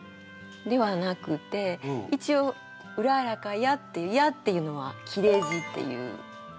ではなくて一応「うららかや」っていう「や」っていうのは切れ字っていう。